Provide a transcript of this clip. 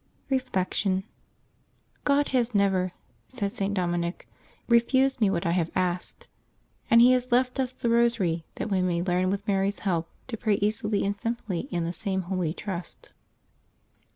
Reflection. —" God has never," said St Dominic, ^ re fused me what I have asked ;'^ and he has left us the Eosary, that we may learn, with Mary's help, to pray easily and simply in the same holy trust.